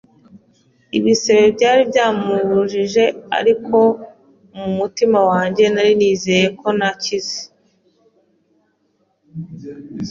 ibisebe byari byamuje ariko mu mutima wanjye nari nizeye ko nakize!